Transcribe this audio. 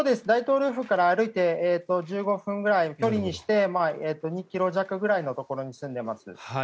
大統領府から歩いて１５分ぐらい２ｋｍ弱ぐらいのところに住んでいます。